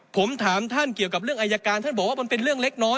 ผมถามท่านเกี่ยวกับเรื่องอายการท่านบอกว่ามันเป็นเรื่องเล็กน้อย